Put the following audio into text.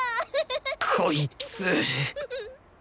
こいつ！